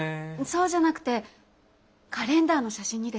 そうじゃなくてカレンダーの写真にです。